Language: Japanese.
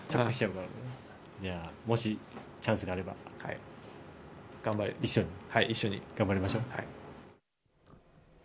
もしチャンスがあれば一緒に頑張りましょう。